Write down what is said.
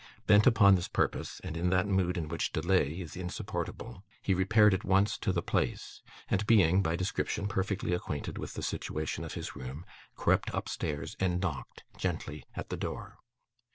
Bent upon this purpose, and in that mood in which delay is insupportable, he repaired at once to the place; and being, by description, perfectly acquainted with the situation of his room, crept upstairs and knocked gently at the door.